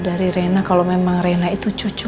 dari rena kalau memang rena itu cucu